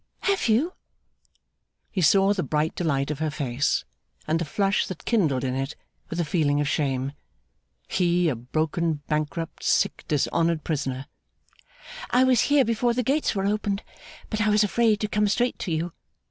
Have you?' He saw the bright delight of her face, and the flush that kindled in it, with a feeling of shame. He, a broken, bankrupt, sick, dishonoured prisoner. 'I was here before the gates were opened, but I was afraid to come straight to you.